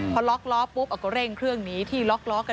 พอล็อกล้อปุ๊บก็เร่งเครื่องหนีที่ล็อกล้อกัน